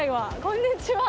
こんにちは。